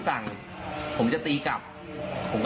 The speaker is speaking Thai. เจอจริง